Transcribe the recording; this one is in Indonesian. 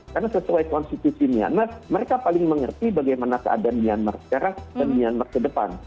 karena sesuai konstitusi myanmar mereka paling mengerti bagaimana keadaan myanmar sekarang dan myanmar kedepan